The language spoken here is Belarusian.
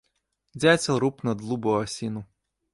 Дзяцел рупна длубаў асіну.